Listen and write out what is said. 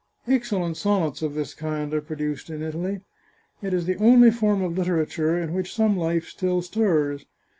Excellent sonnets of this kind are produced in Italy. It is the only form of literature in which some life still stirs.